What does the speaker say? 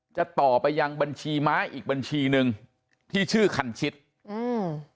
จะต่อไปยังบัญชีม้าอีกบัญชีหนึ่งที่ชื่อคันชิดอืม